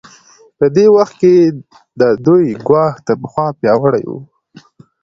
په دې وخت کې د دوی ګواښ تر پخوا پیاوړی و.